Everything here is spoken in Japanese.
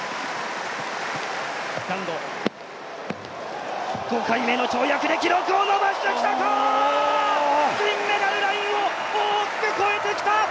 ザンゴ、５回目の跳躍で記録を伸ばしてきたか、金メダルラインを大きく超えてきた。